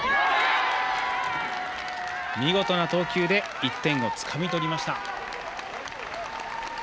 見事な投球で１点をつかみとりました。